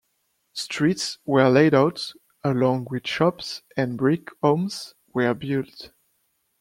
Streets were laid out along which shops and brick homes were built.